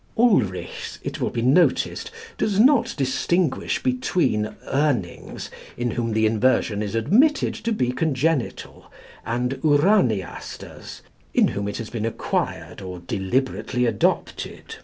Ulrichs, it will be noticed, does not distinguish between Urnings, in whom the inversion is admitted to be congenital, and Uraniasters, in whom it has been acquired or deliberately adopted.